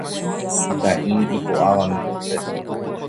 Mitã'i ipo'áva che